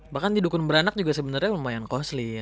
bahkan di dukun beranak juga sebenarnya lumayan costly ya